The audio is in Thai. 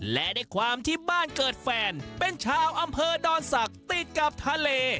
และด้วยความที่บ้านเกิดแฟนเป็นชาวอำเภอดอนศักดิ์ติดกับทะเล